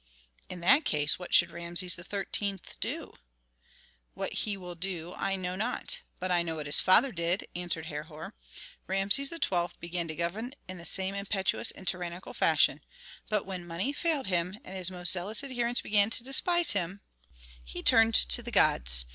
"In that case what should Rameses XIII. do?" "What he will do I know not. But I know what his father did," answered Herhor. "Rameses XII. began to govern in the same impetuous and tyrannical fashion, but when money failed him, and his most zealous adherents began to despise him, he turned to the gods.